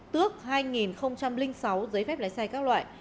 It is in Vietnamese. tước hai sáu giấy phép lái xe các loại